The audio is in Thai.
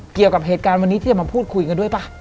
เกี่ยวกับเหตุการณ์วันนี้ที่จะมาพูดคุยกันด้วยป่ะ